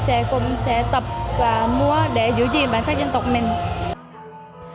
sẽ tập và mua để giữ gìn bản sắc dân tộc mình